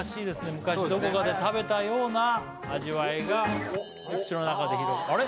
昔どこかで食べたような味わいが口の中で広があれ？